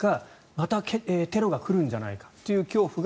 またテロが来るんじゃないかという恐怖が。